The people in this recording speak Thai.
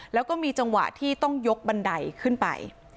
แล้วก็มีจังหวะที่ต้องยกบันไดขึ้นไป